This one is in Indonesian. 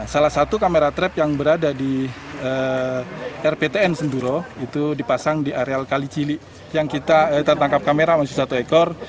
salah satu kamera trap yang berada di rptn senduro itu dipasang di areal kali cili yang kita tertangkap kamera masih satu ekor